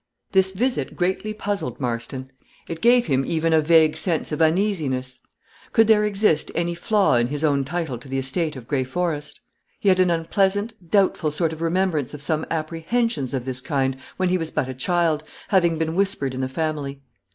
This visit greatly puzzled Marston; it gave him even a vague sense of uneasiness. Could there exist any flaw in his own title to the estate of Gray Forest? He had an unpleasant, doubtful sort of remembrance of some apprehensions of this kind, when he was but a child, having been whispered in the family.